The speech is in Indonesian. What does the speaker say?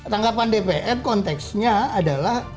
tanggapan dpr konteksnya adalah